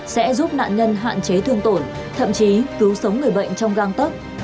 sẽ giúp nạn nhân hạn chế thương tổn thậm chí cứu sống người bệnh trong gang tất